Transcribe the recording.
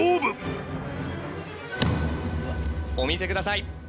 お見せください。